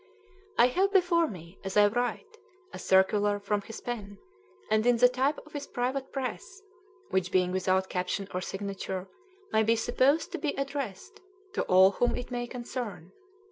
I have before me, as I write, a circular from his pen, and in the type of his private press, which, being without caption or signature, may be supposed to be addressed "to all whom it may concern."